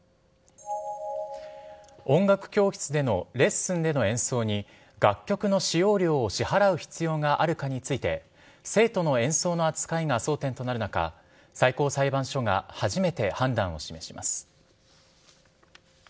音楽教室でのレッスンでの演奏に楽曲の使用料を支払う必要があるかについて、生徒の演奏の扱いが争点となる中、最高裁判所が初めて判断を示します。